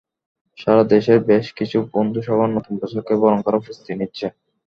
সারা দেশের বেশ কিছু বন্ধুসভা নতুন বছরকে বরণ করার প্রস্তুতি নিচ্ছে।